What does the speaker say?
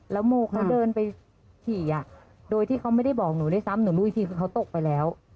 แล้วโมเขาเดินไปฉี่โดยที่เขาไม่ได้บอกหนูด้วยซ้ำหนูรู้อีกทีคือเขาตกไปแล้ว